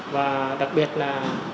và đặc biệt là